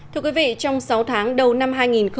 thưa quý vị trong sáu tháng đầu năm hai nghìn một mươi chín